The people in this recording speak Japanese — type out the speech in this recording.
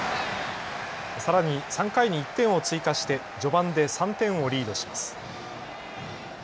さらに３回に１点を追加して序盤で３点をリードします。